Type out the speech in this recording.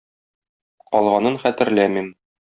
Калганын хәтерләмим.